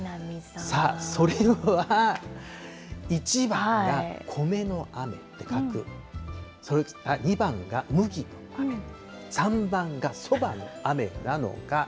さあ、それは、１番が米の雨って書く、２番が麦、３番が蕎麦の雨なのか。